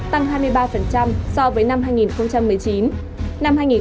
tăng hai mươi ba so với năm hai nghìn một mươi chín